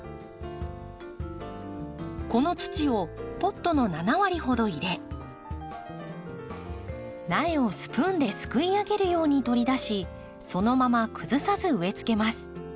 この土をポットの７割ほど入れ苗をスプーンですくいあげるように取り出しそのまま崩さず植えつけます。